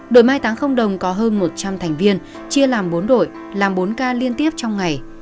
đội mai táng không đồng có hơn một trăm linh thành viên chia làm bốn đội làm bốn ca liên tiếp trong ngày